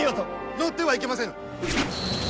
乗ってはいけませぬ！